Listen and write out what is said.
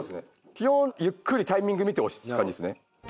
基本ゆっくりタイミング見て押す感じですね。